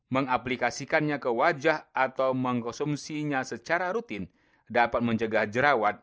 mengaplikasikannya ke wajah atau mengkonsumsinya secara rutin dapat mencegah jerawat